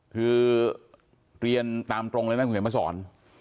คือเรียนตามตรงเรื่อนรังเพียงประสรร